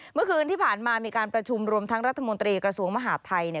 เมื่อคืนที่ผ่านมามีการประชุมรวมทั้งรัฐมนตรีกระทรวงมหาดไทย